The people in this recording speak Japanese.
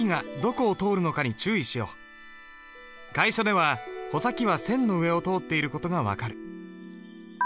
楷書では穂先は線の上を通っている事が分かる。